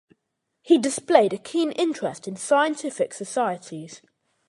He displayed a keen interest in scientific societies.